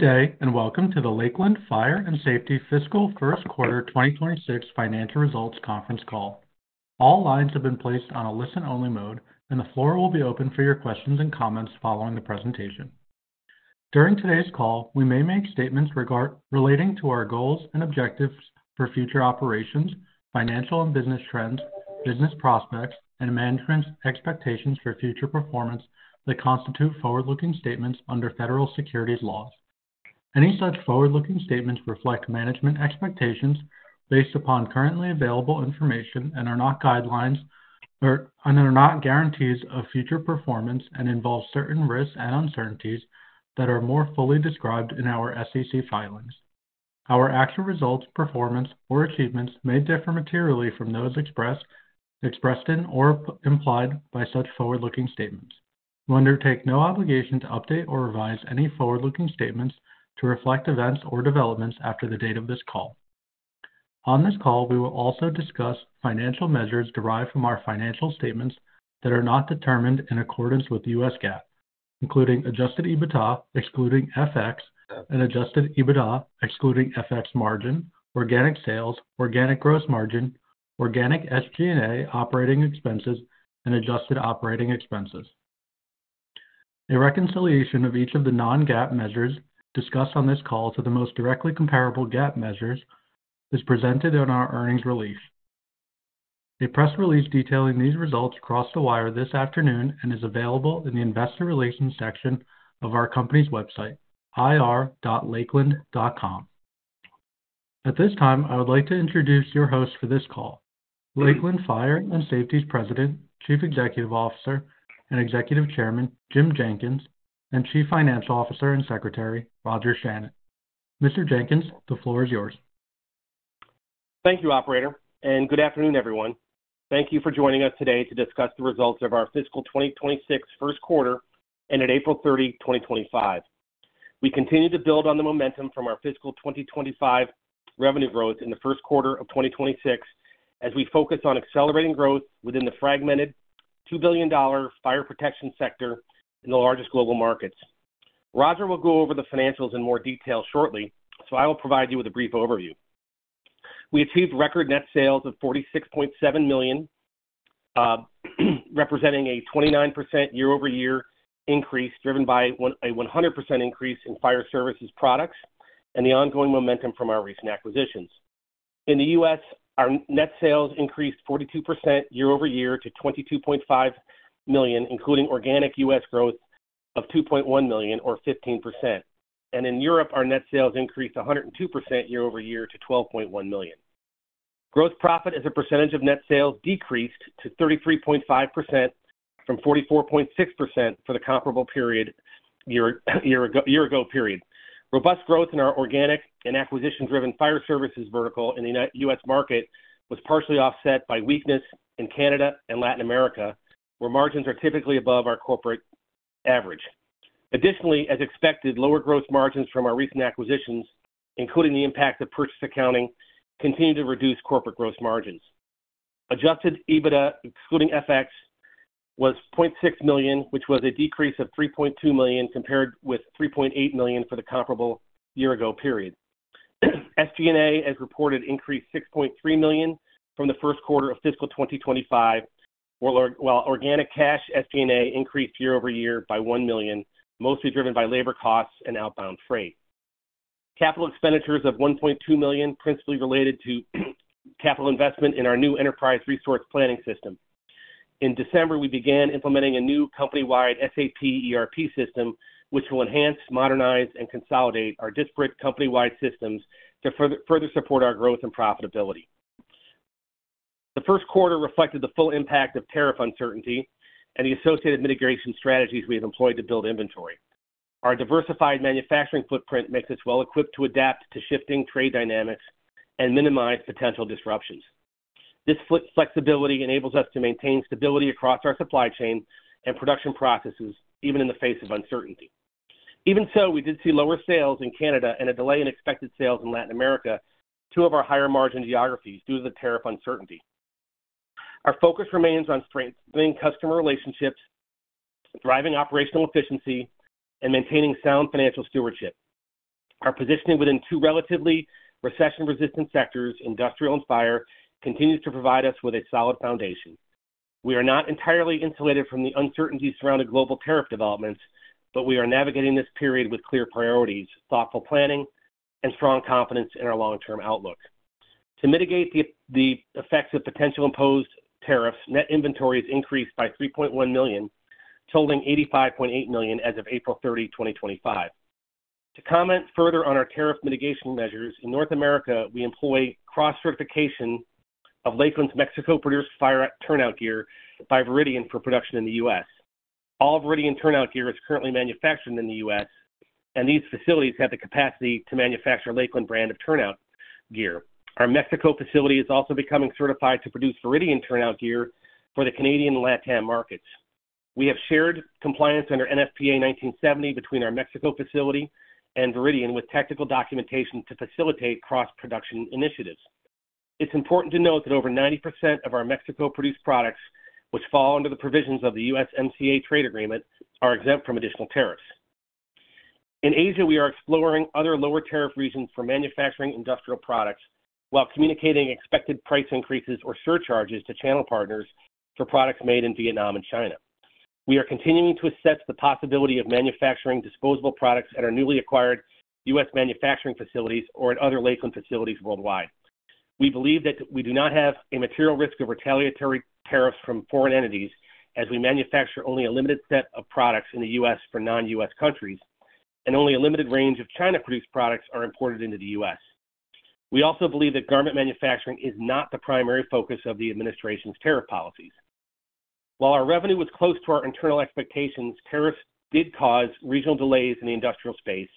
Good day, and welcome to the Lakeland Fire and Safety Fiscal First Quarter 2026 Financial Results Conference Call. All lines have been placed on a listen-only mode, and the floor will be open for your questions and comments following the presentation. During today's call, we may make statements relating to our goals and objectives for future operations, financial and business trends, business prospects, and management's expectations for future performance that constitute forward-looking statements under federal securities laws. Any such forward-looking statements reflect management expectations based upon currently available information and are not guidelines or are not guarantees of future performance and involve certain risks and uncertainties that are more fully described in our SEC filings. Our actual results, performance, or achievements may differ materially from those expressed in or implied by such forward-looking statements. We undertake no obligation to update or revise any forward-looking statements to reflect events or developments after the date of this call. On this call, we will also discuss financial measures derived from our financial statements that are not determined in accordance with US GAAP, including adjusted EBITDA excluding FX and adjusted EBITDA excluding FX margin, organic sales, organic gross margin, organic SG&A operating expenses, and adjusted operating expenses. A reconciliation of each of the non-GAAP measures discussed on this call to the most directly comparable GAAP measures is presented in our earnings release. A press release detailing these results crossed the wire this afternoon and is available in the investor relations section of our company's website, ir.lakeland.com. At this time, I would like to introduce your hosts for this call: Lakeland Fire and Safety's President, Chief Executive Officer and Executive Chairman Jim Jenkins, and Chief Financial Officer and Secretary Roger Shannon. Mr. Jenkins, the floor is yours. Thank you, Operator, and good afternoon, everyone. Thank you for joining us today to discuss the results of our Fiscal 2026 First Quarter ended April 30, 2025. We continue to build on the momentum from our Fiscal 2025 revenue growth in the first quarter of 2026 as we focus on accelerating growth within the fragmented $2 billion fire protection sector in the largest global markets. Roger will go over the financials in more detail shortly, so I will provide you with a brief overview. We achieved record net sales of $46.7 million, representing a 29% year-over-year increase driven by a 100% increase in fire services products and the ongoing momentum from our recent acquisitions. In the U.S., our net sales increased 42% year-over-year to $22.5 million, including organic U.S. growth of $2.1 million, or 15%. In Europe, our net sales increased 102% year-over-year to $12.1 million. Gross profit as a percentage of net sales decreased to 33.5% from 44.6% for the comparable year-ago period. Robust growth in our organic and acquisition-driven fire services vertical in the U.S. market was partially offset by weakness in Canada and Latin America, where margins are typically above our corporate average. Additionally, as expected, lower gross margins from our recent acquisitions, including the impact of purchase accounting, continue to reduce corporate gross margins. Adjusted EBITDA excluding FX was $0.6 million, which was a decrease of $3.2 million compared with $3.8 million for the comparable year-ago period. SG&A, as reported, increased $6.3 million from the first quarter of Fiscal 2025, while organic cash SG&A increased year-over-year by $1 million, mostly driven by labor costs and outbound freight. Capital expenditures of $1.2 million principally related to capital investment in our new enterprise resource planning system. In December, we began implementing a new company-wide SAP ERP system, which will enhance, modernize, and consolidate our disparate company-wide systems to further support our growth and profitability. The first quarter reflected the full impact of tariff uncertainty and the associated mitigation strategies we have employed to build inventory. Our diversified manufacturing footprint makes us well-equipped to adapt to shifting trade dynamics and minimize potential disruptions. This flexibility enables us to maintain stability across our supply chain and production processes, even in the face of uncertainty. Even so, we did see lower sales in Canada and a delay in expected sales in Latin America, two of our higher-margin geographies, due to the tariff uncertainty. Our focus remains on strengthening customer relationships, driving operational efficiency, and maintaining sound financial stewardship. Our positioning within two relatively recession-resistant sectors, industrial and fire, continues to provide us with a solid foundation. We are not entirely insulated from the uncertainties surrounding global tariff developments, but we are navigating this period with clear priorities, thoughtful planning, and strong confidence in our long-term outlook. To mitigate the effects of potential imposed tariffs, net inventory has increased by $3.1 million, totaling $85.8 million as of April 30, 2025. To comment further on our tariff mitigation measures, in North America, we employ cross-certification of Lakeland's Mexico-produced turnout gear by Veridian for production in the U.S. All Veridian turnout gear is currently manufactured in the U.S., and these facilities have the capacity to manufacture Lakeland brand of turnout gear. Our Mexico facility is also becoming certified to produce Veridian turnout gear for the Canadian and LatAm markets. We have shared compliance under NFPA 1970 between our Mexico facility and Veridian with technical documentation to facilitate cross-production initiatives. It's important to note that over 90% of our Mexico-produced products, which fall under the provisions of the USMCA trade agreement, are exempt from additional tariffs. In Asia, we are exploring other lower tariff regions for manufacturing industrial products while communicating expected price increases or surcharges to channel partners for products made in Vietnam and China. We are continuing to assess the possibility of manufacturing disposable products at our newly acquired U.S. manufacturing facilities or at other Lakeland facilities worldwide. We believe that we do not have a material risk of retaliatory tariffs from foreign entities as we manufacture only a limited set of products in the U.S. for non-U.S. countries, and only a limited range of China-produced products are imported into the U.S. We also believe that garment manufacturing is not the primary focus of the administration's tariff policies. While our revenue was close to our internal expectations, tariffs did cause regional delays in the industrial space,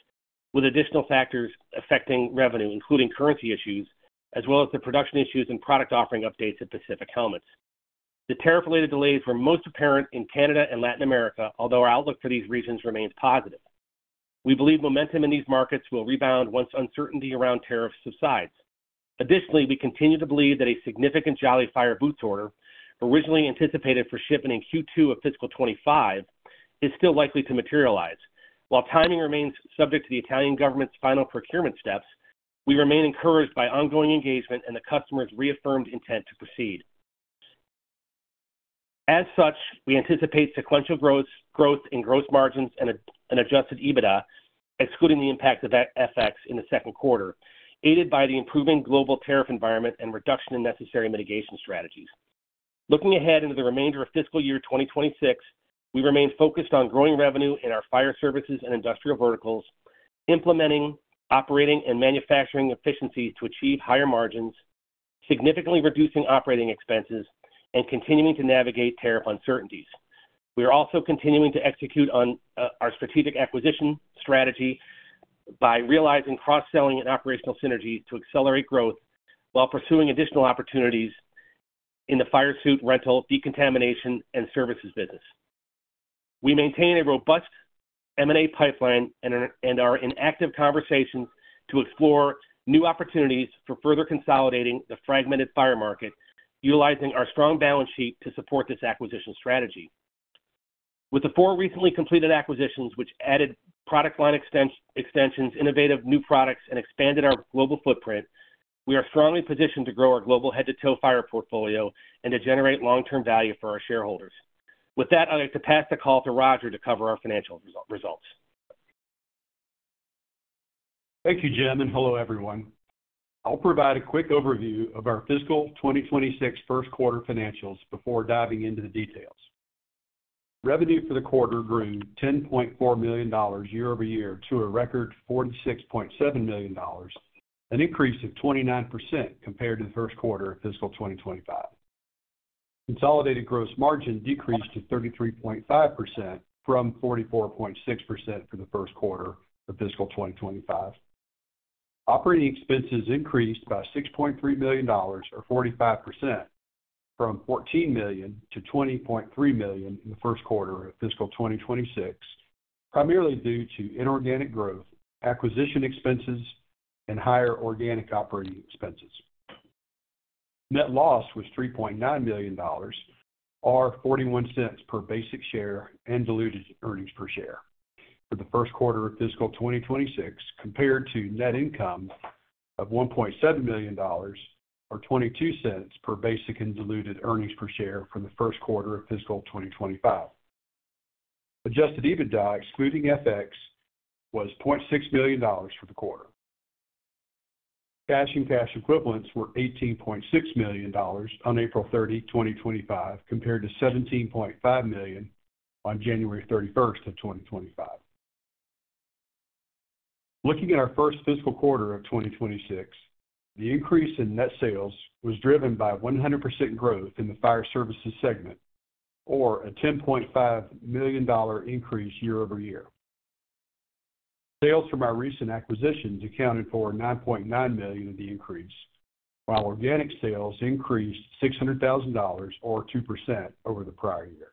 with additional factors affecting revenue, including currency issues, as well as the production issues and product offering updates at Pacific Helmets. The tariff-related delays were most apparent in Canada and Latin America, although our outlook for these regions remains positive. We believe momentum in these markets will rebound once uncertainty around tariffs subsides. Additionally, we continue to believe that a significant Jolly fire boots order, originally anticipated for shipment in Q2 of Fiscal 2025, is still likely to materialize. While timing remains subject to the Italian government's final procurement steps, we remain encouraged by ongoing engagement and the customer's reaffirmed intent to proceed. As such, we anticipate sequential growth in gross margins and adjusted EBITDA, excluding the impact of FX in the second quarter, aided by the improving global tariff environment and reduction in necessary mitigation strategies. Looking ahead into the remainder of Fiscal Year 2026, we remain focused on growing revenue in our fire services and industrial verticals, implementing, operating, and manufacturing efficiencies to achieve higher margins, significantly reducing operating expenses, and continuing to navigate tariff uncertainties. We are also continuing to execute on our strategic acquisition strategy by realizing cross-selling and operational synergy to accelerate growth while pursuing additional opportunities in the fire suit, rental, decontamination, and services business. We maintain a robust M&A pipeline and are in active conversation to explore new opportunities for further consolidating the fragmented fire market, utilizing our strong balance sheet to support this acquisition strategy. With the four recently completed acquisitions, which added product line extensions, innovative new products, and expanded our global footprint, we are strongly positioned to grow our global head-to-toe fire portfolio and to generate long-term value for our shareholders. With that, I'd like to pass the call to Roger to cover our financial results. Thank you, Jim, and hello, everyone. I'll provide a quick overview of our Fiscal 2026 First Quarter financials before diving into the details. Revenue for the quarter grew $10.4 million year-over-year to a record $46.7 million, an increase of 29% compared to the first quarter of Fiscal 2025. Consolidated gross margin decreased to 33.5% from 44.6% for the first quarter of Fiscal 2025. Operating expenses increased by $6.3 million, or 45%, from $14 million to $20.3 million in the first quarter of Fiscal 2026, primarily due to inorganic growth, acquisition expenses, and higher organic operating expenses. Net loss was $3.9 million, or $0.41 per basic share and diluted earnings per share for the first quarter of Fiscal 2026, compared to net income of $1.7 million, or $0.22 per basic and diluted earnings per share for the first quarter of Fiscal 2025. Adjusted EBITDA, excluding FX, was $0.6 million for the quarter. Cash and cash equivalents were $18.6 million on April 30, 2025, compared to $17.5 million on January 31st, 2025. Looking at our first fiscal quarter of 2026, the increase in net sales was driven by 100% growth in the fire services segment, or a $10.5 million increase year-over-year. Sales from our recent acquisitions accounted for $9.9 million of the increase, while organic sales increased $600,000, or 2%, over the prior year.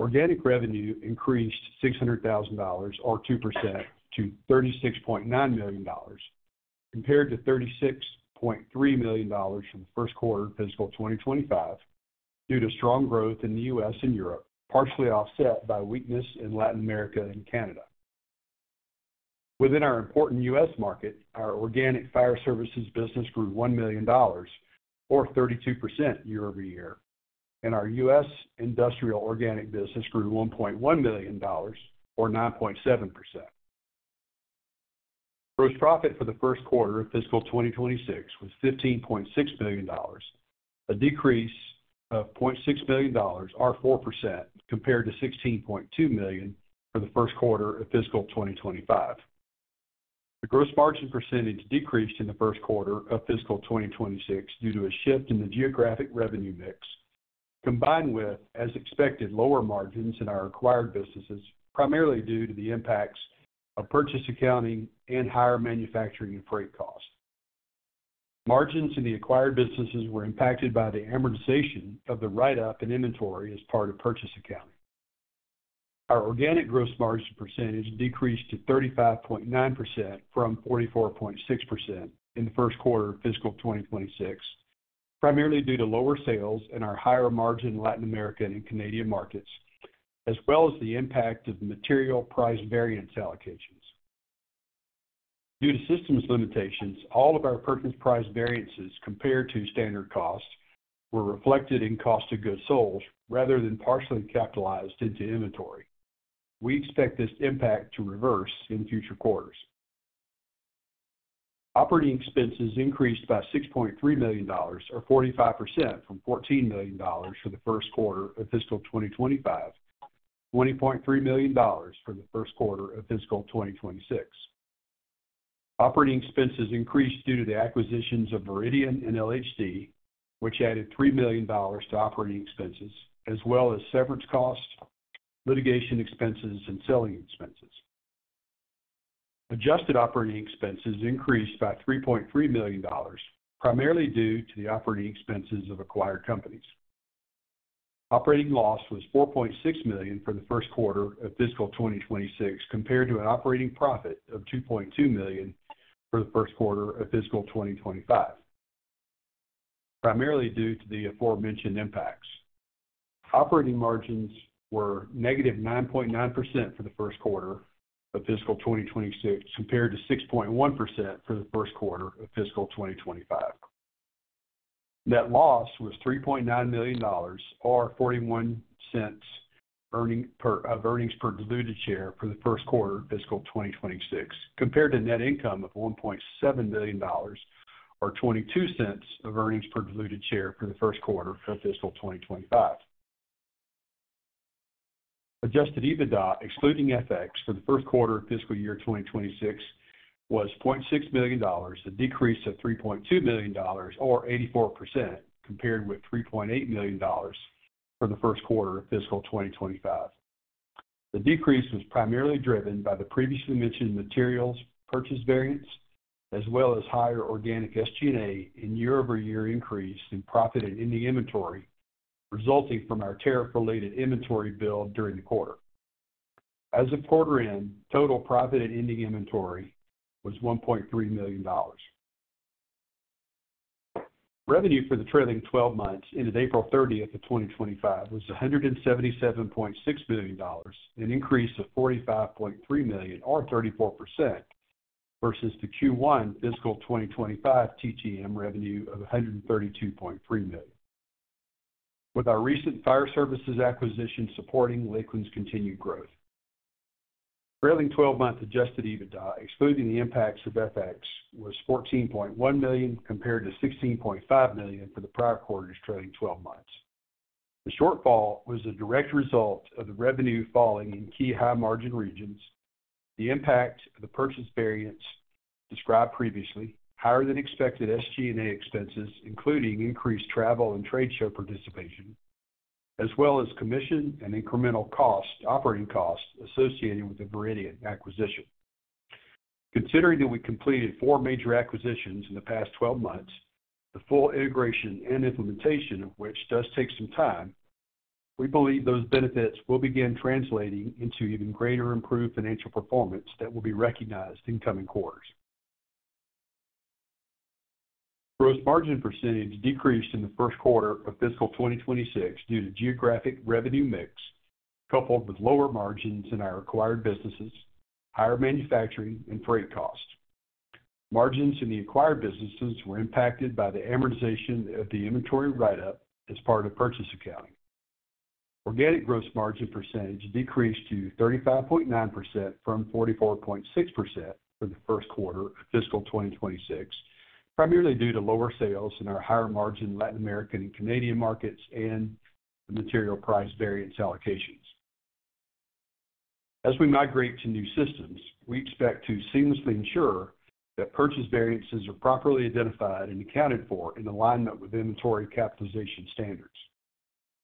Organic revenue increased $600,000, or 2%, to $36.9 million, compared to $36.3 million from the first quarter of Fiscal 2025, due to strong growth in the U.S. and Europe, partially offset by weakness in Latin America and Canada. Within our important U.S. market, our organic fire services business grew $1 million, or 32% year-over-year, and our U.S. industrial organic business grew $1.1 million, or 9.7%. Gross profit for the first quarter of Fiscal 2026 was $15.6 million, a decrease of $0.6 million, or 4%, compared to $16.2 million for the first quarter of Fiscal 2025. The gross margin percentage decreased in the first quarter of Fiscal 2026 due to a shift in the geographic revenue mix, combined with, as expected, lower margins in our acquired businesses, primarily due to the impacts of purchase accounting and higher manufacturing and freight costs. Margins in the acquired businesses were impacted by the amortization of the write-up in inventory as part of purchase accounting. Our organic gross margin percentage decreased to 35.9% from 44.6% in the first quarter of Fiscal 2026, primarily due to lower sales in our higher-margin Latin American and Canadian markets, as well as the impact of material price variance allocations. Due to systems limitations, all of our purchase price variances compared to standard costs were reflected in cost of goods sold rather than partially capitalized into inventory. We expect this impact to reverse in future quarters. Operating expenses increased by $6.3 million, or 45%, from $14 million for the first quarter of Fiscal 2025 to $20.3 million for the first quarter of Fiscal 2026. Operating expenses increased due to the acquisitions of Veridian and LHD, which added $3 million to operating expenses, as well as severance costs, litigation expenses, and selling expenses. Adjusted operating expenses increased by $3.3 million, primarily due to the operating expenses of acquired companies. Operating loss was $4.6 million for the first quarter of Fiscal 2026, compared to an operating profit of $2.2 million for the first quarter of Fiscal 2025, primarily due to the aforementioned impacts. Operating margins were negative 9.9% for the first quarter of Fiscal 2026, compared to 6.1% for the first quarter of Fiscal 2025. Net loss was $3.9 million, or $0.41 of earnings per diluted share for the first quarter of Fiscal 2026, compared to net income of $1.7 million, or $0.22 of earnings per diluted share for the first quarter of Fiscal 2025. Adjusted EBITDA, excluding FX, for the first quarter of Fiscal Year 2026 was $0.6 million, a decrease of $3.2 million, or 84%, compared with $3.8 million for the first quarter of Fiscal 2025. The decrease was primarily driven by the previously mentioned materials purchase variance, as well as higher organic SG&A and year-over-year increase in profit and ending inventory, resulting from our tariff-related inventory build during the quarter. As of quarter end, total profit and ending inventory was $1.3 million. Revenue for the trailing 12 months ended April 30, 2025, was $177.6 million, an increase of $45.3 million, or 34%, versus the Q1 Fiscal 2025 TTM revenue of $132.3 million. With our recent fire services acquisition supporting Lakeland's continued growth, trailing 12-month adjusted EBITDA, excluding the impacts of FX, was $14.1 million, compared to $16.5 million for the prior quarter's trailing 12 months. The shortfall was a direct result of the revenue falling in key high-margin regions, the impact of the purchase variance described previously, higher-than-expected SG&A expenses, including increased travel and trade show participation, as well as commission and incremental operating costs associated with the Veridian acquisition. Considering that we completed four major acquisitions in the past 12 months, the full integration and implementation of which does take some time, we believe those benefits will begin translating into even greater improved financial performance that will be recognized in coming quarters. Gross margin percentage decreased in the first quarter of Fiscal 2026 due to geographic revenue mix coupled with lower margins in our acquired businesses, higher manufacturing, and freight costs. Margins in the acquired businesses were impacted by the amortization of the inventory write-up as part of purchase accounting. Organic gross margin percentage decreased to 35.9% from 44.6% for the first quarter of Fiscal 2026, primarily due to lower sales in our higher-margin Latin American and Canadian markets and the material price variance allocations. As we migrate to new systems, we expect to seamlessly ensure that purchase variances are properly identified and accounted for in alignment with inventory capitalization standards.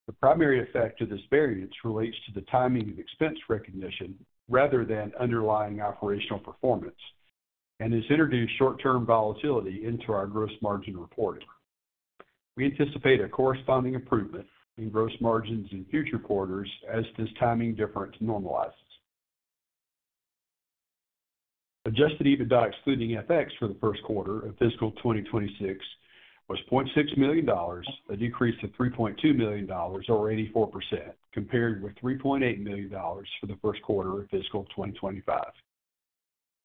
The primary effect of this variance relates to the timing of expense recognition rather than underlying operational performance and has introduced short-term volatility into our gross margin reporting. We anticipate a corresponding improvement in gross margins in future quarters as this timing difference normalizes. Adjusted EBITDA, excluding FX, for the first quarter of Fiscal 2026 was $0.6 million, a decrease of $3.2 million, or 84%, compared with $3.8 million for the first quarter of Fiscal 2025.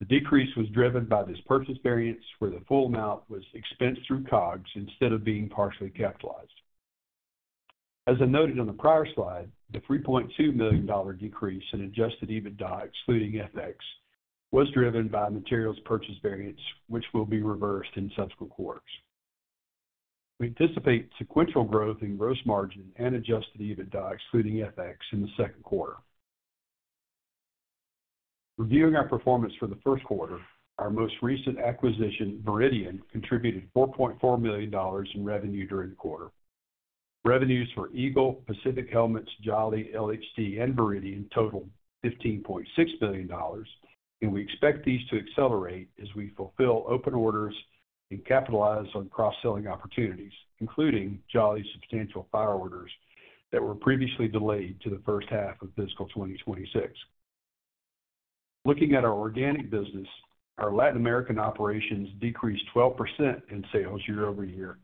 The decrease was driven by this purchase variance, where the full amount was expensed through COGS instead of being partially capitalized. As I noted on the prior slide, the $3.2 million decrease in adjusted EBITDA, excluding FX, was driven by materials purchase variance, which will be reversed in subsequent quarters. We anticipate sequential growth in gross margin and adjusted EBITDA, excluding FX, in the second quarter. Reviewing our performance for the first quarter, our most recent acquisition, Veridian, contributed $4.4 million in revenue during the quarter. Revenues for Eagle, Pacific Helmets, Jolly, LHD, and Veridian totaled $15.6 million, and we expect these to accelerate as we fulfill open orders and capitalize on cross-selling opportunities, including Jolly's substantial fire orders that were previously delayed to the first half of Fiscal 2026. Looking at our organic business, our Latin American operations decreased 12% in sales year-over-year,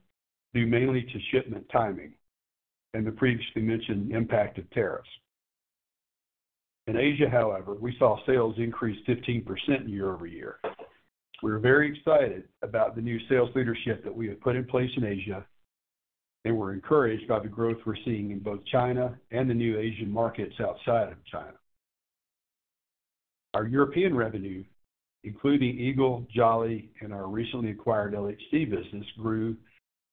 due mainly to shipment timing and the previously mentioned impact of tariffs. In Asia, however, we saw sales increase 15% year-over-year. We are very excited about the new sales leadership that we have put in place in Asia and were encouraged by the growth we're seeing in both China and the new Asian markets outside of China. Our European revenue, including Eagle, Jolly, and our recently acquired LHD business, grew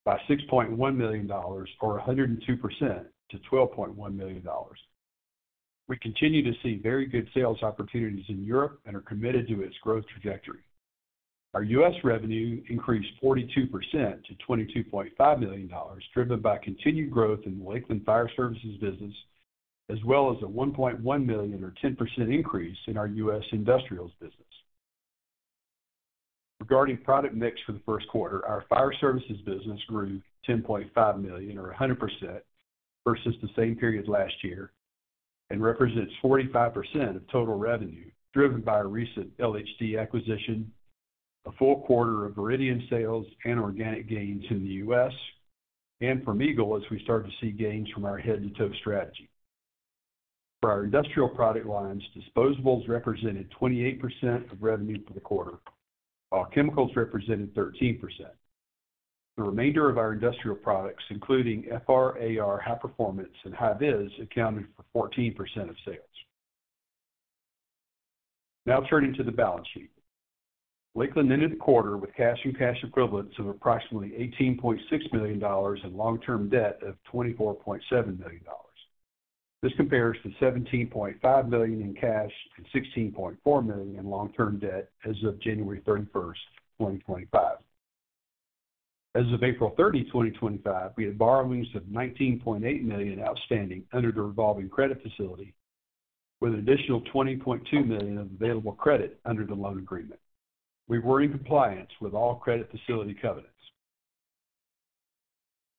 by $6.1 million, or 102%, to $12.1 million. We continue to see very good sales opportunities in Europe and are committed to its growth trajectory. Our U.S. revenue increased 42% to $22.5 million, driven by continued growth in the Lakeland Fire Services business, as well as a $1.1 million, or 10%, increase in our U.S. industrials business. Regarding product mix for the first quarter, our fire services business grew $10.5 million, or 100%, versus the same period last year, and represents 45% of total revenue, driven by a recent LHD acquisition, a full quarter of Veridian sales and organic gains in the U.S., and from Eagle as we start to see gains from our head-to-toe strategy. For our industrial product lines, disposables represented 28% of revenue for the quarter, while chemicals represented 13%. The remainder of our industrial products, including FR/AR high performance and high viz, accounted for 14% of sales. Now turning to the balance sheet, Lakeland ended the quarter with cash and cash equivalents of approximately $18.6 million and long-term debt of $24.7 million. This compares to $17.5 million in cash and $16.4 million in long-term debt as of January 31st, 2025. As of April 30, 2025, we had borrowings of $19.8 million outstanding under the revolving credit facility, with an additional $20.2 million of available credit under the loan agreement. We were in compliance with all credit facility covenants.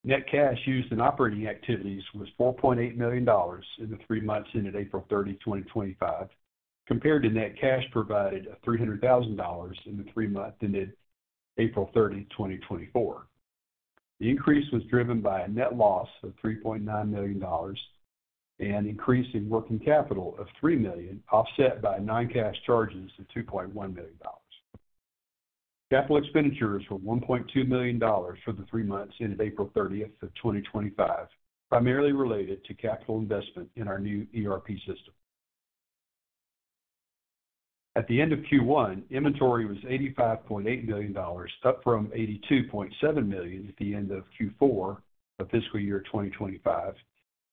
Net cash used in operating activities was $4.8 million in the three months ended April 30, 2025, compared to net cash provided of $300,000 in the three months ended April 30, 2024. The increase was driven by a net loss of $3.9 million and increase in working capital of $3 million, offset by non-cash charges of $2.1 million. Capital expenditures were $1.2 million for the three months ended April 30, 2025, primarily related to capital investment in our new ERP system. At the end of Q1, inventory was $85.8 million, up from $82.7 million at the end of Q4 of fiscal year 2025,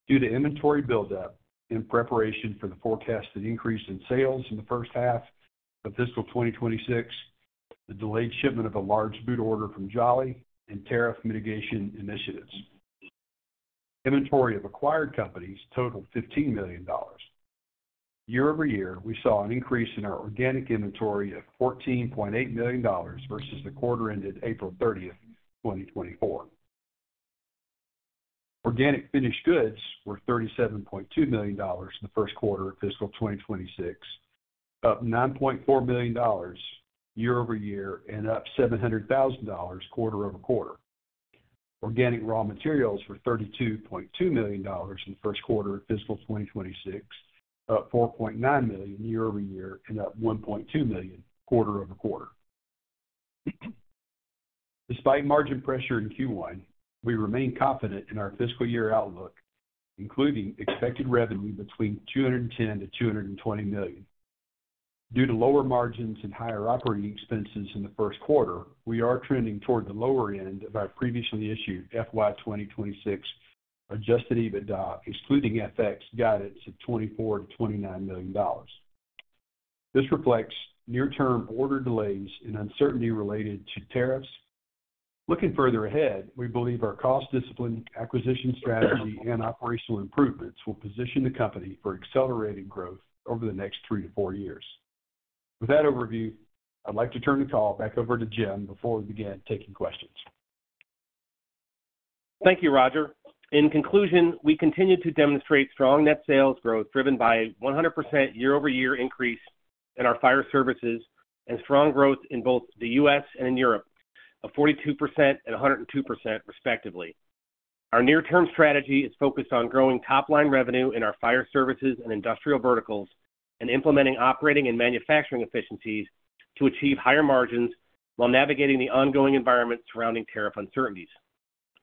due to inventory build-up in preparation for the forecasted increase in sales in the first half of fiscal 2026, the delayed shipment of a large boot order from Jolly, and tariff mitigation initiatives. Inventory of acquired companies totaled $15 million. Year-over-year, we saw an increase in our organic inventory of $14.8 million versus the quarter ended April 30, 2024. Organic finished goods were $37.2 million in the first quarter of fiscal 2026, up $9.4 million year-over-year and up $700,000 quarter over quarter. Organic raw materials were $32.2 million in the first quarter of fiscal 2026, up $4.9 million year-over-year and up $1.2 million quarter over quarter. Despite margin pressure in Q1, we remain confident in our fiscal year outlook, including expected revenue between $210 million-$220 million. Due to lower margins and higher operating expenses in the first quarter, we are trending toward the lower end of our previously issued FY 2026 adjusted EBITDA, excluding FX, guidance of $24 million-$29 million. This reflects near-term order delays and uncertainty related to tariffs. Looking further ahead, we believe our cost discipline, acquisition strategy, and operational improvements will position the company for accelerated growth over the next three to four years. With that overview, I'd like to turn the call back over to Jim before we begin taking questions. Thank you, Roger. In conclusion, we continue to demonstrate strong net sales growth driven by a 100% year-over-year increase in our fire services and strong growth in both the U.S. and in Europe, of 42% and 102%, respectively. Our near-term strategy is focused on growing top-line revenue in our fire services and industrial verticals and implementing operating and manufacturing efficiencies to achieve higher margins while navigating the ongoing environment surrounding tariff uncertainties.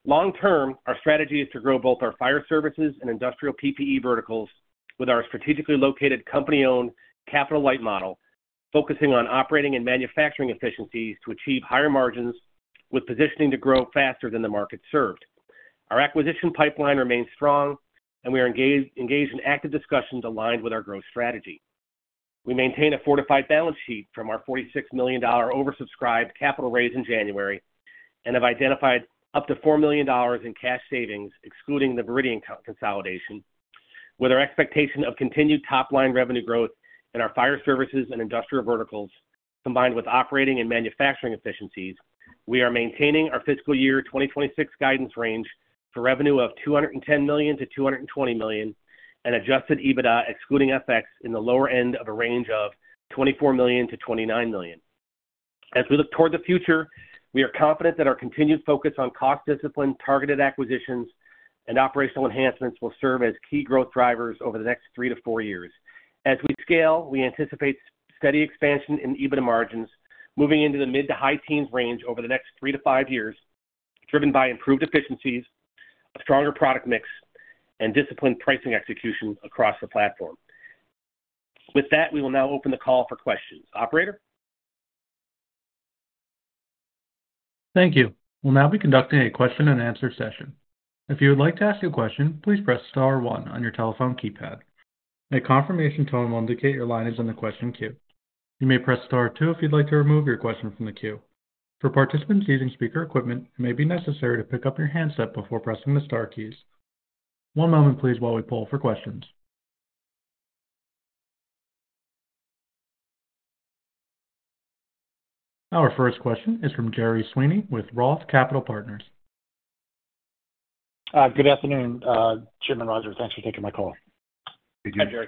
Long-term, our strategy is to grow both our fire services and industrial PPE verticals with our strategically located company-owned capital light model, focusing on operating and manufacturing efficiencies to achieve higher margins, with positioning to grow faster than the market served. Our acquisition pipeline remains strong, and we are engaged in active discussions aligned with our growth strategy. We maintain a fortified balance sheet from our $46 million oversubscribed capital raise in January and have identified up to $4 million in cash savings, excluding the Veridian consolidation. With our expectation of continued top-line revenue growth in our fire services and industrial verticals, combined with operating and manufacturing efficiencies, we are maintaining our fiscal year 2026 guidance range for revenue of $210 million-$220 million and adjusted EBITDA, excluding FX, in the lower end of a range of $24 million-$29 million. As we look toward the future, we are confident that our continued focus on cost discipline, targeted acquisitions, and operational enhancements will serve as key growth drivers over the next three to four years. As we scale, we anticipate steady expansion in EBITDA margins moving into the mid to high teens range over the next three to five years, driven by improved efficiencies, a stronger product mix, and disciplined pricing execution across the platform. With that, we will now open the call for questions. Operator? Thank you. We'll now be conducting a question-and-answer session. If you would like to ask a question, please press Star 1 on your telephone keypad. A confirmation tone will indicate your line is in the question queue. You may press Star 2 if you'd like to remove your question from the queue. For participants using speaker equipment, it may be necessary to pick up your handset before pressing the Star keys. One moment, please, while we pull for questions. Our first question is from Jerry Sweeney with Roth Capital Partners. Good afternoon, Jim and Roger. Thanks for taking my call. Thank you, Jerry.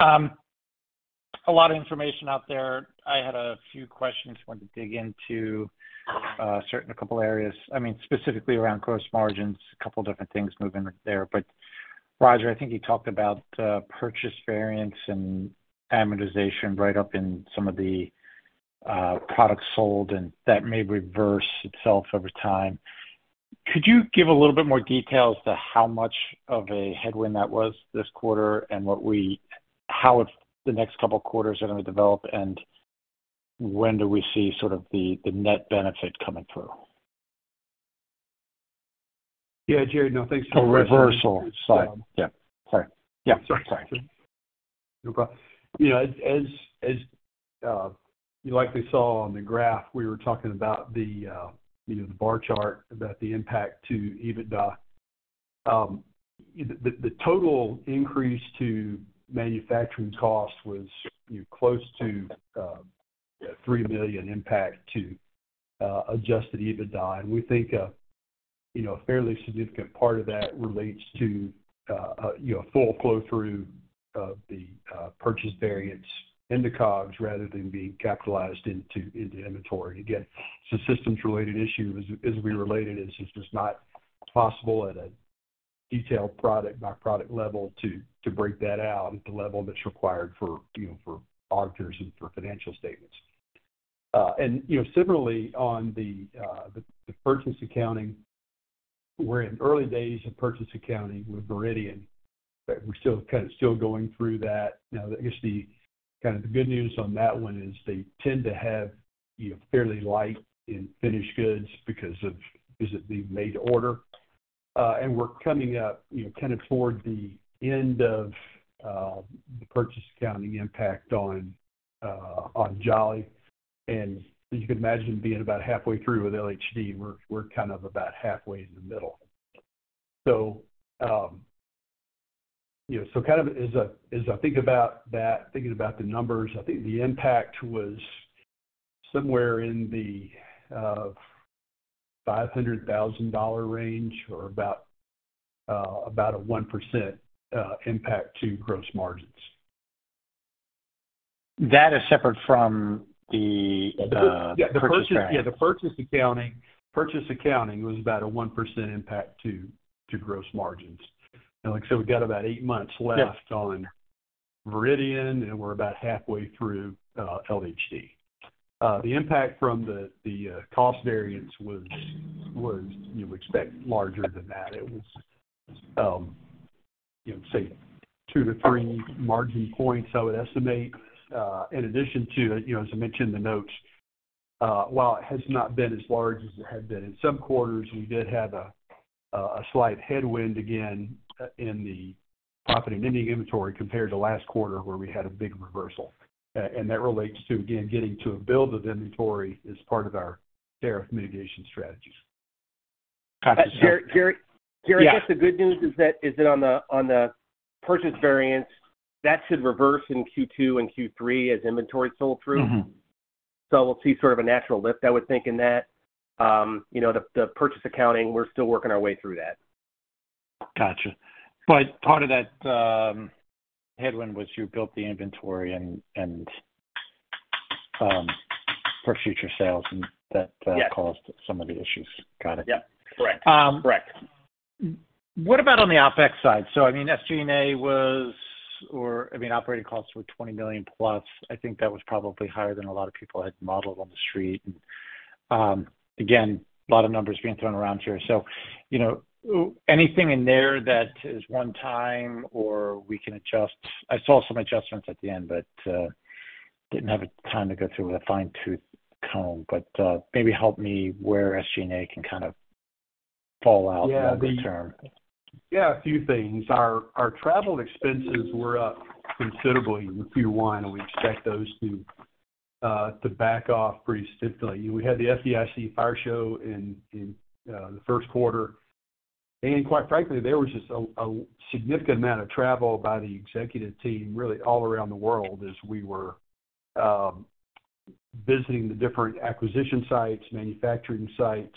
A lot of information out there. I had a few questions I wanted to dig into, certain a couple of areas. I mean, specifically around gross margins, a couple of different things moving there. Roger, I think you talked about purchase variance and amortization write-up in some of the products sold, and that may reverse itself over time. Could you give a little bit more detail as to how much of a headwind that was this quarter and how the next couple of quarters are going to develop, and when do we see sort of the net benefit coming through? Yeah, Jerry, no, thanks for the reversal side. Yeah, sorry. No problem. As you likely saw on the graph, we were talking about the bar chart about the impact to EBITDA. The total increase to manufacturing cost was close to $3 million impact to adjusted EBITDA, and we think a fairly significant part of that relates to a full flow-through of the purchase variance into COGS rather than being capitalized into inventory. Again, it's a systems-related issue. As we related, it's just not possible at a detailed product-by-product level to break that out at the level that's required for auditors and for financial statements. Similarly, on the purchase accounting, we're in early days of purchase accounting with Veridian. We're still kind of still going through that. Now, I guess the kind of the good news on that one is they tend to have fairly light in finished goods because of the made order. We're coming up kind of toward the end of the purchase accounting impact on Jolly, and you can imagine being about halfway through with LHD. We're kind of about halfway in the middle. As I think about that, thinking about the numbers, I think the impact was somewhere in the $500,000 range or about a 1% impact to gross margins. That is separate from the purchase accounting. Yeah, the purchase accounting was about a 1% impact to gross margins. Like I said, we've got about eight months left on Veridian, and we're about halfway through LHD. The impact from the cost variance was, you would expect, larger than that. It was, say, two to three margin points, I would estimate. In addition to, as I mentioned in the notes, while it has not been as large as it had been in some quarters, we did have a slight headwind again in the profit and ending inventory compared to last quarter where we had a big reversal. That relates to, again, getting to a build-up inventory as part of our tariff mitigation strategies. Kind of the same. Jerry, I guess the good news is that on the purchase variance, that should reverse in Q2 and Q3 as inventory sold through. We'll see sort of a natural lift, I would think, in that. The purchase accounting, we're still working our way through that. Gotcha. Part of that headwind was you built the inventory and for future sales and that caused some of the issues. Got it. Yeah, correct. What about on the OPEX side? I mean, SG&A was Or I mean, operating costs were $20 million plus. I think that was probably higher than a lot of people had modeled on the street. Again, a lot of numbers being thrown around here. Anything in there that is one time or we can adjust? I saw some adjustments at the end, but didn't have time to go through with a fine-tooth comb. Maybe help me where SG&A can kind of fall out over the term. Yeah, a few things. Our travel expenses were up considerably in Q1, and we expect those to back off pretty stiffly. We had the FDIC fire show in the first quarter. Quite frankly, there was just a significant amount of travel by the executive team, really all around the world, as we were visiting the different acquisition sites, manufacturing sites.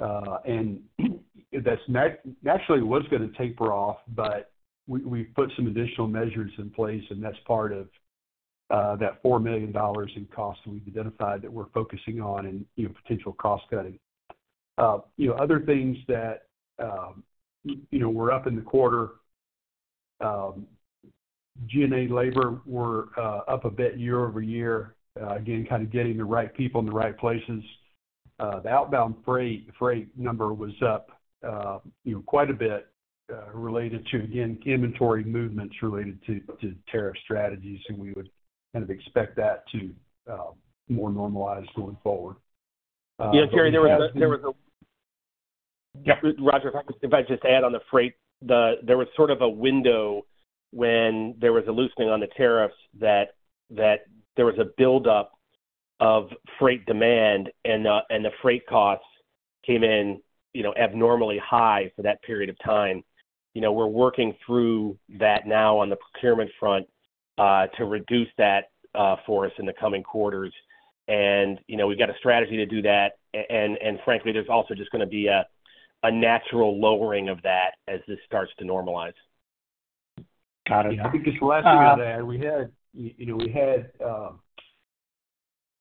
That naturally was going to taper off, but we've put some additional measures in place, and that's part of that $4 million in costs we've identified that we're focusing on and potential cost cutting. Other things that were up in the quarter, G&A labor were up a bit year over year, again, kind of getting the right people in the right places. The outbound freight number was up quite a bit related to, again, inventory movements related to tariff strategies, and we would kind of expect that to more normalize going forward. Yeah, Jerry there was a— Yeah, Roger, if I could just add on the freight, there was sort of a window when there was a loosening on the tariffs that there was a build-up of freight demand, and the freight costs came in abnormally high for that period of time. We are working through that now on the procurement front to reduce that for us in the coming quarters. We have got a strategy to do that. Frankly, there is also just going to be a natural lowering of that as this starts to normalize. Got it. I think just last year there, we had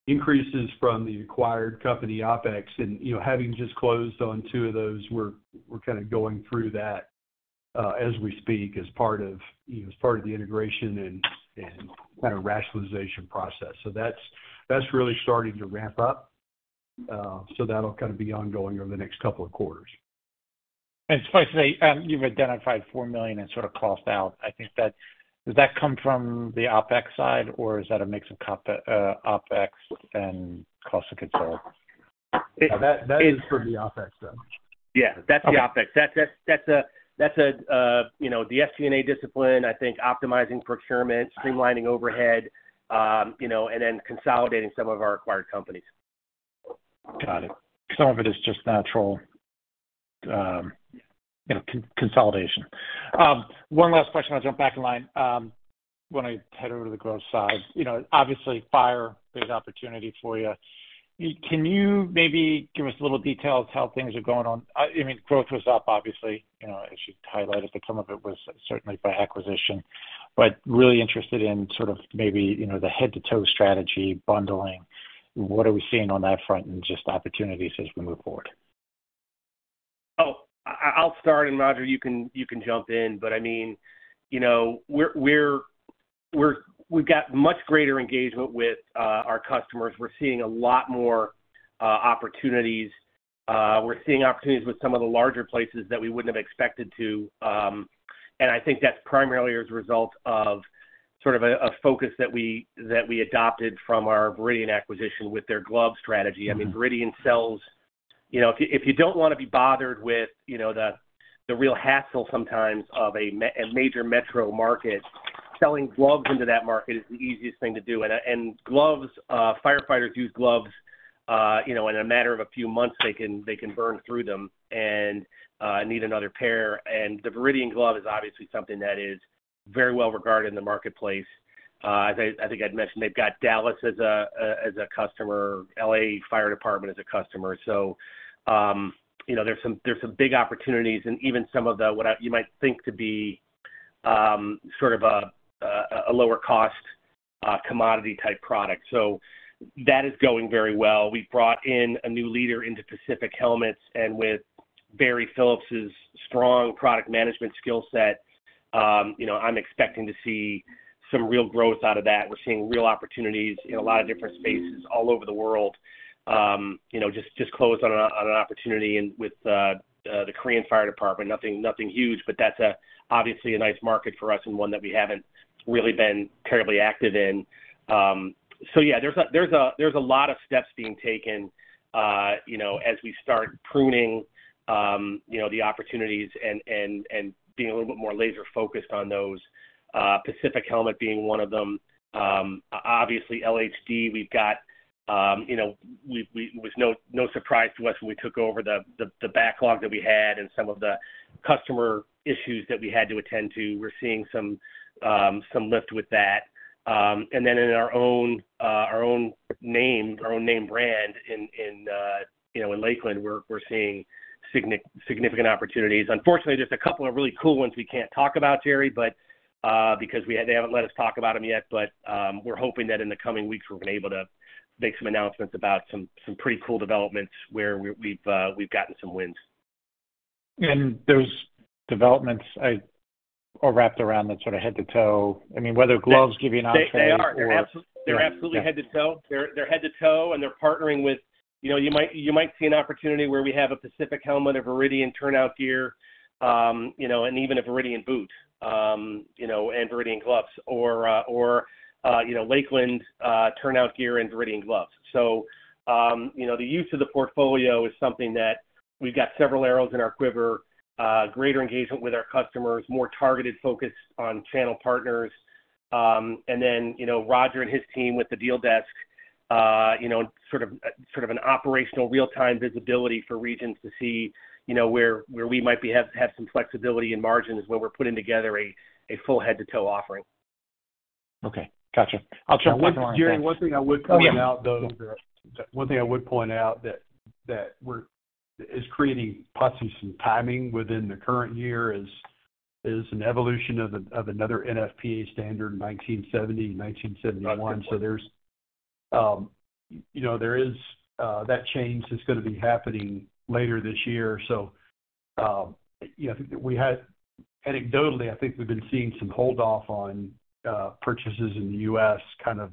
increases from the acquired company OPEX, and having just closed on two of those, we are kind of going through that as we speak as part of the integration and kind of rationalization process. That is really starting to ramp up. That'll kind of be ongoing over the next couple of quarters. It's funny to say, you've identified $4 million in sort of cost out. I think that, does that come from the OPEX side, or is that a mix of OPEX and cost of goods sold? That is from the OPEX, though. Yeah, that's the OPEX. That's the SG&A discipline, I think, optimizing procurement, streamlining overhead, and then consolidating some of our acquired companies. Got it. Some of it is just natural consolidation. One last question. I'll jump back in line when I head over to the growth side. Obviously, fire is an opportunity for you. Can you maybe give us a little detail of how things are going on? I mean, growth was up, obviously, as you highlighted, but some of it was certainly by acquisition. Really interested in sort of maybe the head-to-toe strategy, bundling, what are we seeing on that front and just opportunities as we move forward? Oh, I'll start, and Roger, you can jump in. I mean, we've got much greater engagement with our customers. We're seeing a lot more opportunities. We're seeing opportunities with some of the larger places that we would not have expected to. I think that's primarily as a result of sort of a focus that we adopted from our Veridian acquisition with their glove strategy. I mean, Veridian sells—if you do not want to be bothered with the real hassle sometimes of a major metro market, selling gloves into that market is the easiest thing to do. Gloves, firefighters use gloves. In a matter of a few months, they can burn through them and need another pair. The Veridian glove is obviously something that is very well regarded in the marketplace. As I think I had mentioned, they have got Dallas as a customer, LA Fire Department as a customer. There are some big opportunities and even some of what you might think to be sort of a lower-cost commodity-type product. That is going very well. We have brought in a new leader into Pacific Helmets, and with Barry Phillips' strong product management skill set, I am expecting to see some real growth out of that. We are seeing real opportunities in a lot of different spaces all over the world. Just closed on an opportunity with the Korean Fire Department, nothing huge, but that is obviously a nice market for us and one that we have not really been terribly active in. Yeah, there's a lot of steps being taken as we start pruning the opportunities and being a little bit more laser-focused on those, Pacific Helmets being one of them. Obviously, LHD, we've got—it was no surprise to us when we took over the backlog that we had and some of the customer issues that we had to attend to. We're seeing some lift with that. And then in our own name, our own name brand in Lakeland, we're seeing significant opportunities. Unfortunately, there's a couple of really cool ones we can't talk about, Jerry, because they haven't let us talk about them yet. We're hoping that in the coming weeks, we're going to be able to make some announcements about some pretty cool developments where we've gotten some wins. Those developments are wrapped around that sort of head-to-toe. I mean, whether gloves give you an opportunity or—they're absolutely head-to-toe. They're head-to-toe, and they're partnering with—you might see an opportunity where we have a Pacific Helmet, a Veridian turnout gear, and even a Veridian boot and Veridian gloves, or Lakeland turnout gear and Veridian gloves. The use of the portfolio is something that we've got several arrows in our quiver, greater engagement with our customers, more targeted focus on channel partners. Roger and his team with the deal desk, sort of an operational real-time visibility for regions to see where we might have some flexibility in margin is when we're putting together a full head-to-toe offering. Okay. Gotcha. I'll jump right in there. Jerry, one thing I would point out, though, one thing I would point out that is creating puzzles and timing within the current year is an evolution of another NFPA standard in 1970, 1971. There is that change that's going to be happening later this year. Anecdotally, I think we've been seeing some hold-off on purchases in the U.S., kind of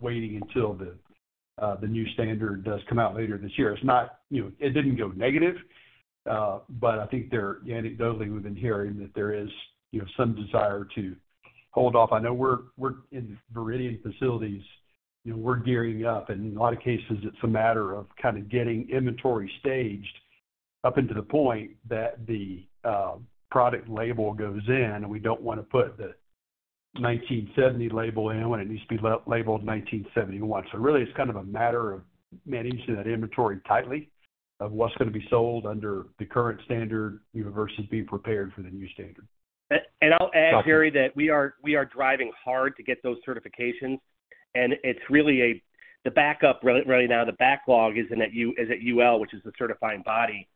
waiting until the new standard does come out later this year. It did not go negative, but I think anecdotally, we've been hearing that there is some desire to hold off. I know we're in the Veridian facilities. We're gearing up, and in a lot of cases, it's a matter of kind of getting inventory staged up until the point that the product label goes in, and we do not want to put the 1970 label in when it needs to be labeled 1971. It is kind of a matter of managing that inventory tightly of what is going to be sold under the current standard versus being prepared for the new standard. I will add, Jerry that we are driving hard to get those certifications. It is really the backup right now, the backlog is at UL, which is the certifying body.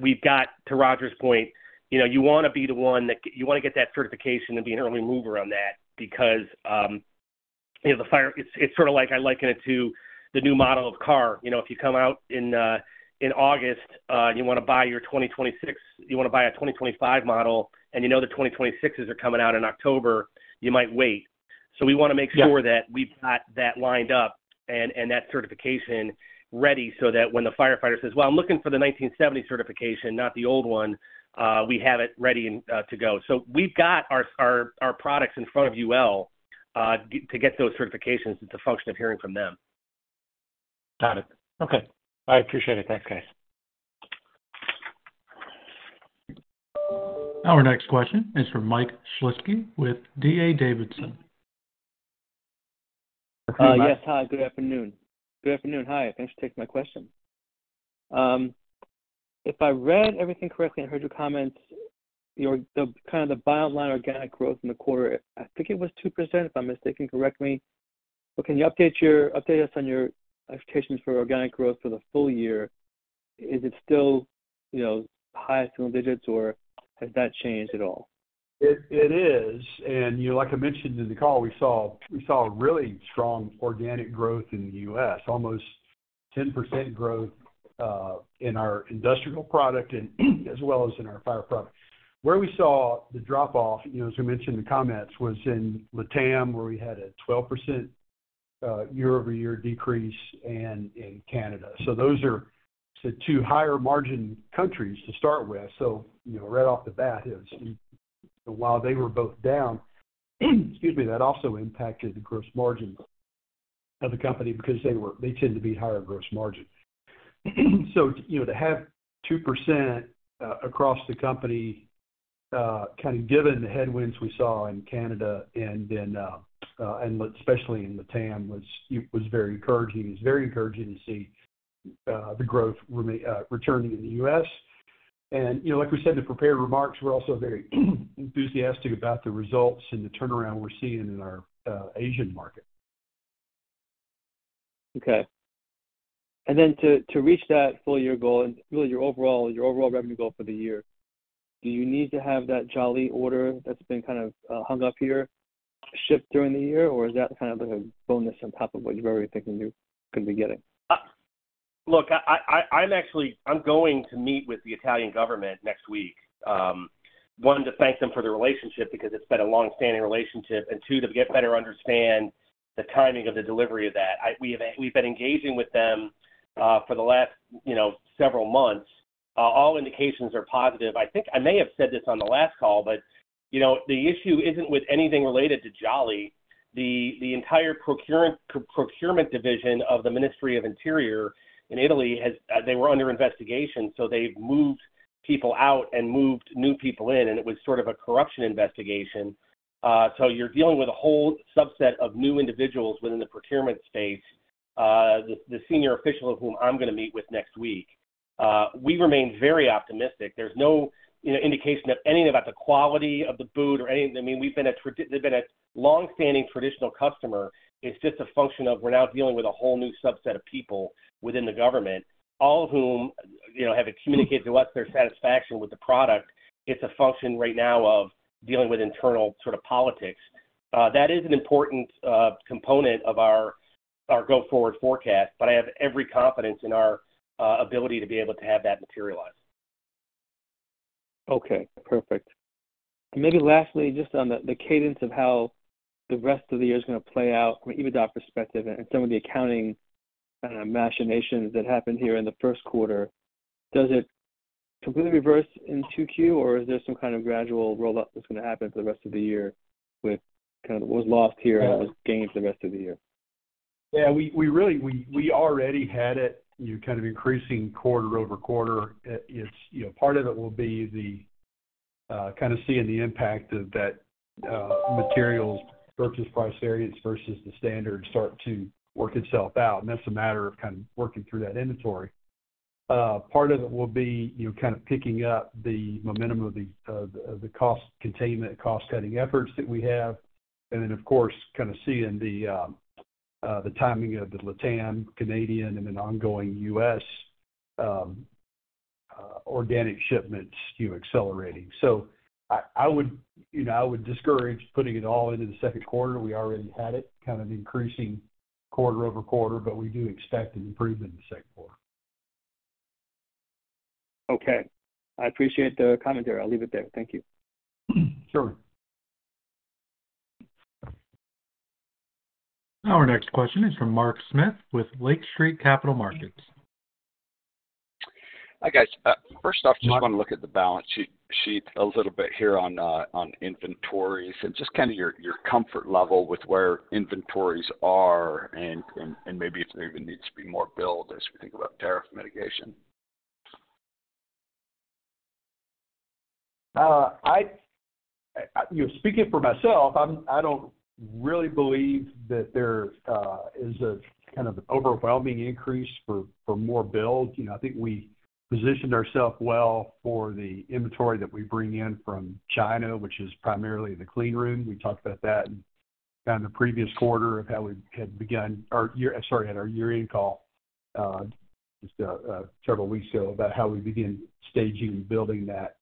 We have got, to Roger's point, you want to be the one that you want to get that certification and be an early mover on that because the fire, it is sort of like I liken it to the new model of car. If you come out in August and you want to buy your 2026, you want to buy a 2025 model, and you know the 2026s are coming out in October, you might wait. We want to make sure that we've got that lined up and that certification ready so that when the firefighter says, "I'm looking for the 1970 certification, not the old one," we have it ready to go. We've got our products in front of UL to get those certifications and to function of hearing from them. Got it. Okay. I appreciate it. Thanks, guys. Our next question is from Mike Schlitzke with D.A. Davidson. Yes, hi. Good afternoon. Good afternoon. Hi. Thanks for taking my question. If I read everything correctly and heard your comments, kind of the bottom line organic growth in the quarter, I think it was 2%. If I'm mistaken, correct me. Can you update us on your expectations for organic growth for the full year? Is it still high single digits, or has that changed at all? It is. Like I mentioned in the call, we saw really strong organic growth in the U.S., almost 10% growth in our industrial product as well as in our fire product. Where we saw the drop-off, as we mentioned in the comments, was in Latin America, where we had a 12% year-over-year decrease, and in Canada. Those are two higher margin countries to start with. Right off the bat, while they were both down, excuse me, that also impacted the gross margins of the company because they tend to be higher gross margins. To have 2% across the company, kind of given the headwinds we saw in Canada and especially in Latin America, was very encouraging. It was very encouraging to see the growth returning in the U.S. Like we said in the prepared remarks, we're also very enthusiastic about the results and the turnaround we're seeing in our Asian market. Okay. To reach that full-year goal and really your overall revenue goal for the year, do you need to have that Jolly order that's been kind of hung up here shipped during the year, or is that kind of a bonus on top of what you're already thinking you could be getting? Look, I'm going to meet with the Italian government next week. One, to thank them for the relationship because it's been a long-standing relationship, and two, to get a better understanding of the timing of the delivery of that. We've been engaging with them for the last several months. All indications are positive. I think I may have said this on the last call, but the issue is not with anything related to Jolly. The entire procurement division of the Ministry of Interior in Italy, they were under investigation, so they have moved people out and moved new people in, and it was sort of a corruption investigation. You are dealing with a whole subset of new individuals within the procurement space, the senior official of whom I am going to meet with next week. We remain very optimistic. There is no indication of anything about the quality of the boot or anything. I mean, we have been a long-standing traditional customer. It is just a function of we are now dealing with a whole new subset of people within the government, all of whom have communicated to us their satisfaction with the product. It is a function right now of dealing with internal sort of politics. That is an important component of our go-forward forecast, but I have every confidence in our ability to be able to have that materialize. Okay. Perfect. Maybe lastly, just on the cadence of how the rest of the year is going to play out, even that perspective and some of the accounting machinations that happened here in the first quarter, does it completely reverse in Q2, or is there some kind of gradual roll-up that's going to happen for the rest of the year with kind of what was lost here and what was gained for the rest of the year? Yeah. We already had it kind of increasing quarter over quarter. Part of it will be the kind of seeing the impact of that materials purchase price variance versus the standard start to work itself out. And that's a matter of kind of working through that inventory. Part of it will be kind of picking up the momentum of the cost containment, cost-setting efforts that we have, and then, of course, kind of seeing the timing of the Latin America, Canadian, and then ongoing U.S. organic shipments accelerating. I would discourage putting it all into the second quarter. We already had it kind of increasing quarter over quarter, but we do expect an improvement in the second quarter. Okay. I appreciate the comment there. I'll leave it there. Thank you. Sure. Our next question is from Mark Smith with Lake Street Capital Markets. Hi, guys. First off, just want to look at the balance sheet a little bit here on inventories and just kind of your comfort level with where inventories are and maybe if there even needs to be more build as we think about tariff mitigation. Speaking for myself, I don't really believe that there is a kind of overwhelming increase for more build. I think we positioned ourselves well for the inventory that we bring in from China, which is primarily the clean room. We talked about that in the previous quarter, at our year-end call just several weeks ago, about how we begin staging and building that.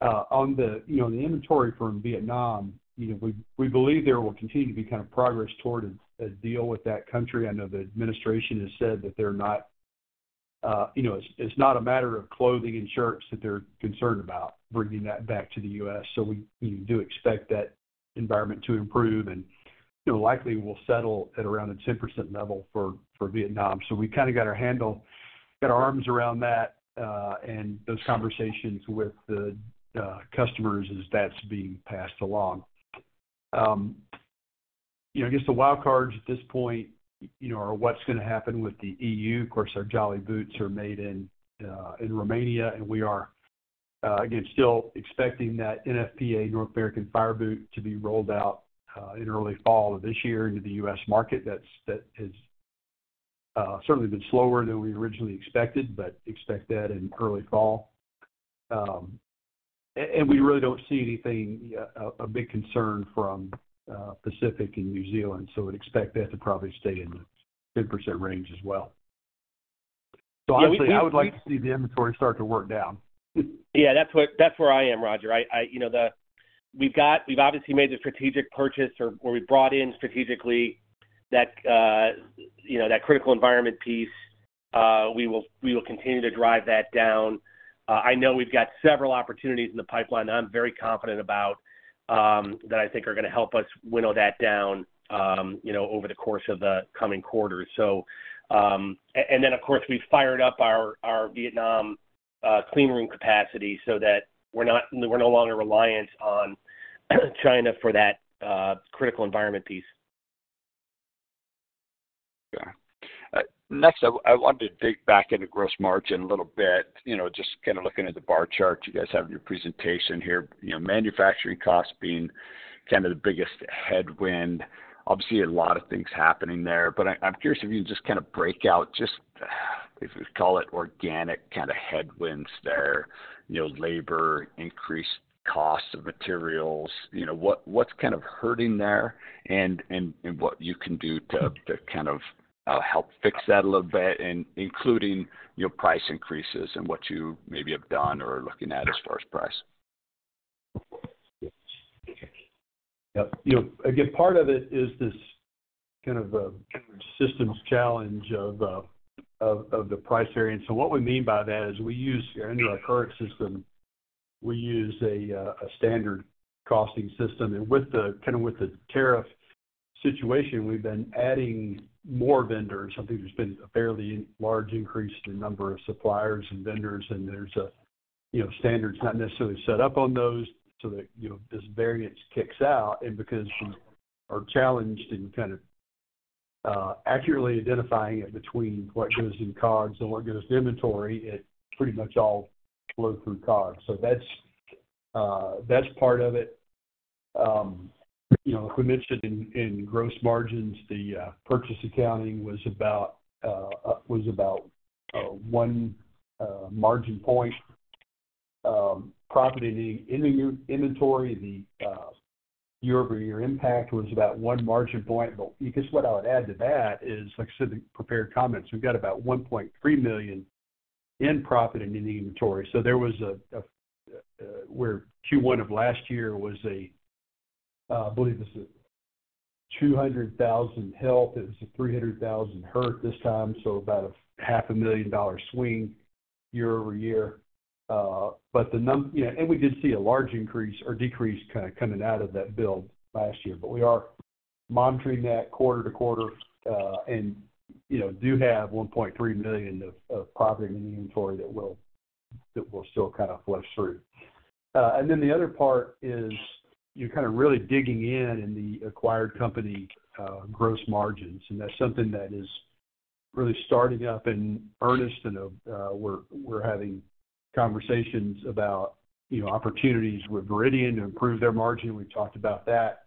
On the inventory from Vietnam, we believe there will continue to be kind of progress toward a deal with that country. I know the administration has said that they're not—it's not a matter of clothing and shirts that they're concerned about bringing that back to the U.S. We do expect that environment to improve and likely will settle at around a 10% level for Vietnam. We've kind of got our handle, got our arms around that, and those conversations with the customers as that's being passed along. The wildcards at this point are what's going to happen with the EU. Of course, our Jolly boots are made in Romania, and we are, again, still expecting that NFPA, North American Fire Boot, to be rolled out in early fall of this year into the U.S. market. That has certainly been slower than we originally expected, but expect that in early fall. We really don't see anything, a big concern from Pacific and New Zealand, so we'd expect that to probably stay in the 10% range as well. Honestly, I would like to see the inventory start to work down. Yeah, that's where I am, Roger. We've obviously made a strategic purchase or we've brought in strategically that critical environment piece. We will continue to drive that down. I know we've got several opportunities in the pipeline that I'm very confident about that I think are going to help us winnow that down over the course of the coming quarters. Of course, we've fired up our Vietnam clean room capacity so that we're no longer reliant on China for that critical environment piece. Yeah. Next, I wanted to dig back into gross margin a little bit, just kind of looking at the bar chart you guys have in your presentation here, manufacturing costs being kind of the biggest headwind. Obviously, a lot of things happening there, but I'm curious if you can just kind of break out just, if we call it organic kind of headwinds there, labor, increased costs of materials. What's kind of hurting there and what you can do to kind of help fix that a little bit, including price increases and what you maybe have done or are looking at as far as price? Again, part of it is this kind of systems challenge of the price area. And so what we mean by that is we use under our current system, we use a standard costing system. And kind of with the tariff situation, we've been adding more vendors. I think there's been a fairly large increase in the number of suppliers and vendors, and their standards not necessarily set up on those so that this variance kicks out. And because we are challenged in kind of accurately identifying it between what goes in COGS and what goes to inventory, it pretty much all flows through COGS. So that's part of it. As we mentioned in gross margins, the purchase accounting was about one margin point. Profit in the inventory, the year-over-year impact was about one margin point. What I would add to that is, like I said in the prepared comments, we've got about $1.3 million in profit in the inventory. There was where Q1 of last year was, I believe, $200,000 help. It was a $300,000 hurt this time, so about a $500,000 swing year-over-year. The number, and we did see a large increase or decrease kind of coming out of that build last year. We are monitoring that quarter to quarter and do have $1.3 million of profit in the inventory that will still kind of flush through. The other part is kind of really digging in in the acquired company gross margins. That is something that is really starting up in earnest. We are having conversations about opportunities with Veridian to improve their margin. We have talked about that.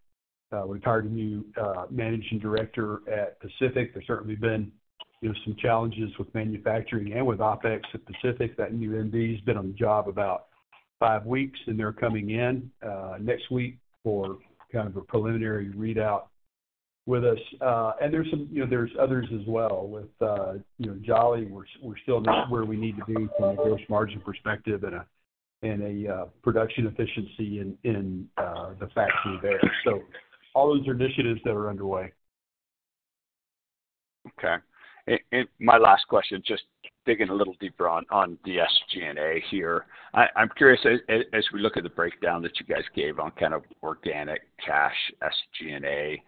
We have hired a new Managing Director at Pacific. There have certainly been some challenges with manufacturing and with OpEx at Pacific. That new MD has been on the job about five weeks, and they are coming in next week for kind of a preliminary readout with us. There are others as well with Jolly. We are still just where we need to be from a gross margin perspective and a production efficiency in the facts and events. All those are initiatives that are underway. Okay. My last question, just digging a little deeper on the SG&A here. I am curious, as we look at the breakdown that you guys gave on kind of organic cash SG&A,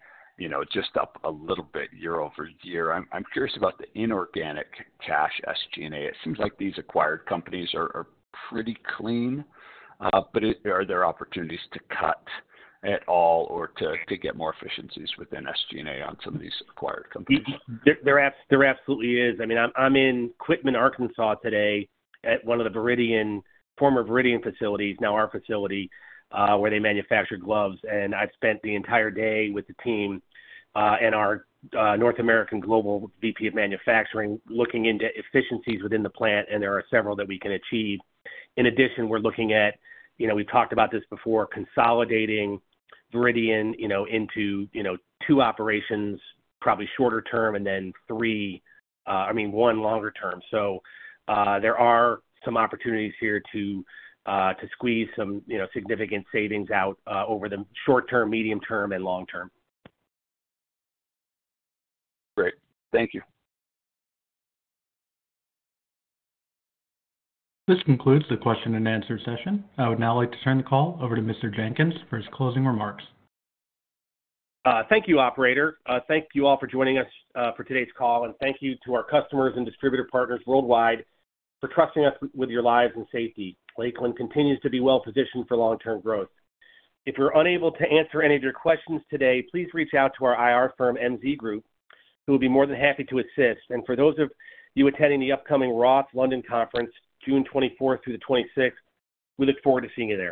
just up a little bit year-over-year. I'm curious about the inorganic cash SG&A. It seems like these acquired companies are pretty clean, but are there opportunities to cut at all or to get more efficiencies within SG&A on some of these acquired companies? There absolutely is. I mean, I'm in Quickman, Arkansas today at one of the former Veridian facilities, now our facility, where they manufacture gloves. And I've spent the entire day with the team and our North American Global VP of Manufacturing looking into efficiencies within the plant, and there are several that we can achieve. In addition, we're looking at, we've talked about this before, consolidating Veridian into two operations, probably shorter term, and then three, I mean, one longer term. So there are some opportunities here to squeeze some significant savings out over the short term, medium term, and long term. Great. Thank you. This concludes the question-and-answer session. I would now like to turn the call over to Mr. Jenkins for his closing remarks. Thank you, Operator. Thank you all for joining us for today's call, and thank you to our customers and distributor partners worldwide for trusting us with your lives and safety. Lakeland continues to be well-positioned for long-term growth. If we were unable to answer any of your questions today, please reach out to our IR firm, MZ Group, who will be more than happy to assist. For those of you attending the upcoming Roth London Conference, June 24th through the 26th, we look forward to seeing you there.